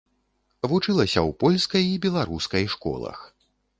Вучылася ў польскай і беларускай школах.